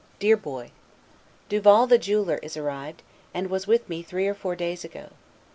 DEAR BOY: Duval the jeweler, is arrived, and was with me three or four days ago.